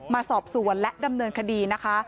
มาสอบสวนและดำเนินคดีนะคะ